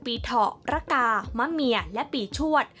เถาระกามะเมียและปีชวด